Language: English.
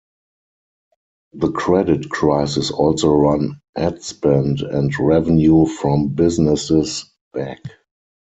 The credit crisis also run ad spend and revenue from businesses back.